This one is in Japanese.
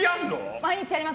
毎日やります。